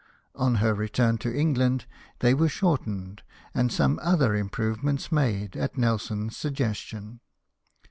On her return to England they were shortened, and some other improvements made, at Nelson's suggestion.